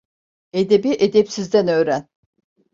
Edebi, edepsizden öğren.